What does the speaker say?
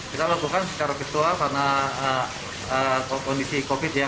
kita lakukan secara virtual karena kondisi covid sembilan belas